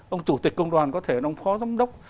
ông chủ tịch công đoàn có thể là ông phó giám đốc